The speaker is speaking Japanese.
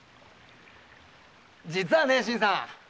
実はね新さん。